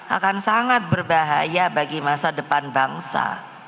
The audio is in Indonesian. akan sangat berbahaya bagi masa depan bangsa